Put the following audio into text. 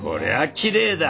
きれいだ！